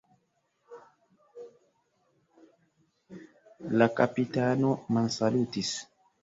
La kapitano mansalutis.